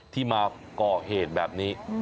ที่มาก่อเหตุแบบนี้